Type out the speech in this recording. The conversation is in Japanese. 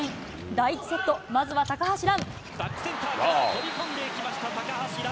第１セット、まずは高橋藍。